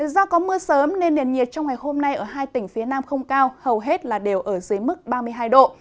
do có mưa sớm nên nền nhiệt trong ngày hôm nay ở hai tỉnh phía nam không cao hầu hết là đều ở dưới mức ba mươi hai độ